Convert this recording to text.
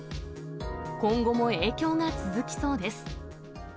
今後も影響が続きそうです。